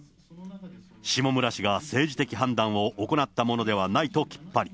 下村氏が政治的判断を行ったものではないときっぱり。